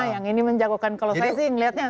yang ini menjagokan kalau saya sih melihatnya